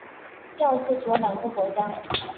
第二次只有两个国家。